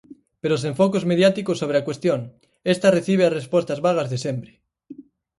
Pero sen focos mediáticos sobre a cuestión, esta recibe as respostas vagas de sempre.